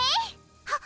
はっ。